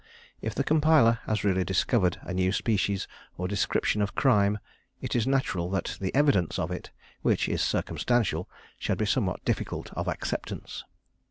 If the compiler has really discovered a new species or description of crime, it is natural that the evidence of it, which is circumstantial, should be somewhat difficult of acceptance.